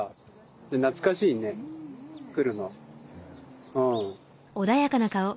じゃあ懐かしいね来るの。